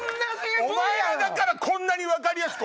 お前らだからこんなに分かりやすく。